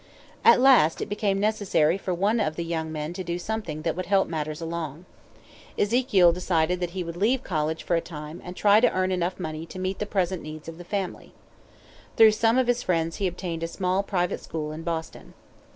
At last it became necessary for one of the young men to do something that would help matters along. Ezekiel decided that he would leave college for a time and try to earn enough money to meet the present needs of the family. Through some of his friends he obtained a small private school in Boston.